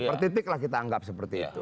per titik lah kita anggap seperti itu